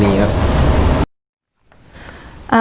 ไม่เคยมีครับ